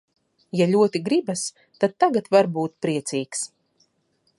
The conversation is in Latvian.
Ja ļoti gribas, tad tagad var būt priecīgs.